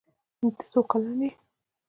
ته څو کلن يي